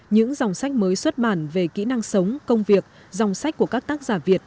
những dòng sách mới xuất bản về kỹ năng sống công việc dòng sách của các tác giả việt